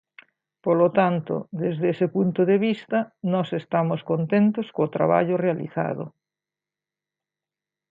Polo tanto, desde ese punto de vista, nós estamos contentos co traballo realizado.